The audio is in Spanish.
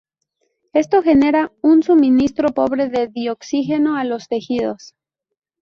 Esto genera un suministro pobre de dioxígeno a los tejidos.